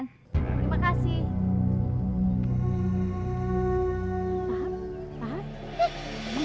nanti kalau suami ibu sudah pulang